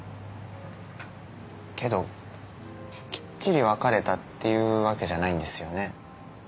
けどきっちり別れたっていうわけじゃないんですよね？